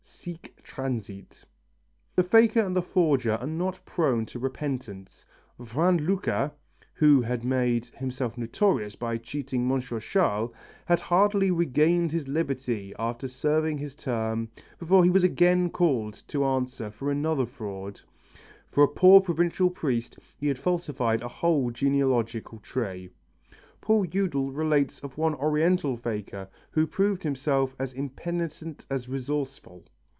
"Sic transit " The faker and the forger are not prone to repentance. Vrain Lucas, who had made himself notorious by cheating M. Chasles, had hardly regained his liberty after serving his term before he was again called to answer for another fraud. For a poor provincial priest he had falsified a whole genealogical tree. Paul Eudel relates of one Oriental faker who proved himself as impenitent as resourceful.